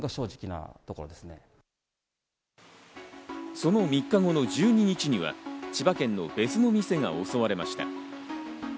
その３日後の１２日には千葉県の別の店が襲われました。